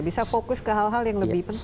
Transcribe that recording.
bisa fokus ke hal hal yang lebih penting